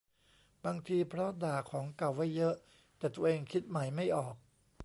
บางทีเพราะด่าของเก่าไว้เยอะ แต่ตัวเองคิดใหม่ไม่ออก